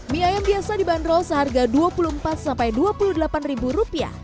mie ayam biasa dibanderol seharga dua puluh empat dua puluh delapan ribu rupiah